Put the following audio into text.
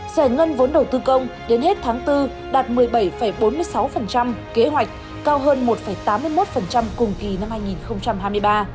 giải ngân vốn đầu tư công đến hết tháng bốn đạt một mươi bảy bốn mươi sáu kế hoạch cao hơn một tám mươi một cùng kỳ năm hai nghìn hai mươi ba